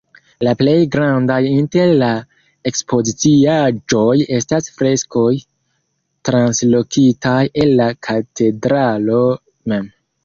La plej grandaj inter la ekspoziciaĵoj estas freskoj, translokitaj el la katedralo mem.